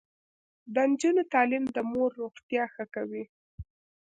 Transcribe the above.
د نجونو تعلیم د مور روغتیا ښه کوي.